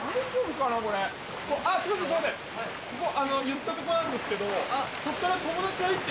言ったとこなんですけどそこから。